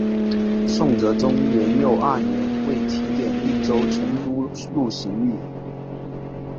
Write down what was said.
宋哲宗元佑二年为提点利州成都路刑狱。